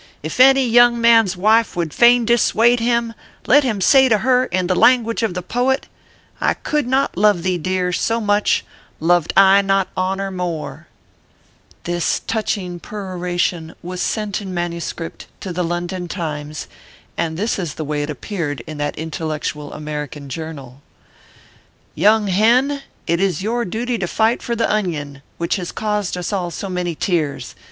If any young man s wife would fain dissuade him, let him say to her, in the language of the poet, " I could not love thee, dear, so much, Loved I not Honor more I " This touching peroration was sent in manuscript to the London Times, and this is the way it appeared in that intellectual American journal :" Young hen, it is your duty to fight for the Onion, which has caused us all so many tears.